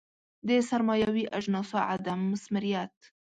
د سرمایوي اجناسو عدم مثمریت.